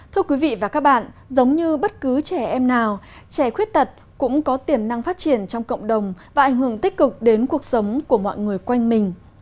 trẻ em khuyết tật cũng có tiềm năng phát triển trong cộng đồng và ảnh hưởng tích cực đến cuộc sống của mọi người quanh mình